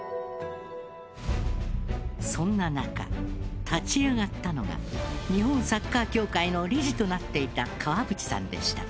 そんな中、立ち上がったのが日本サッカー協会の理事となっていた川淵さんでした。